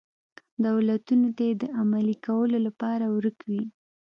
دولتونو ته یې د عملي کولو لپاره ورک وي.